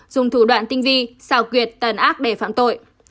dùng thủ đoạn tinh vi xào quyệt tàn ác để phạm tội